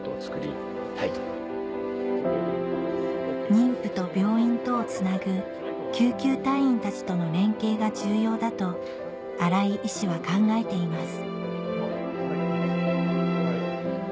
妊婦と病院とをつなぐ救急隊員たちとの連携が重要だと新井医師は考えています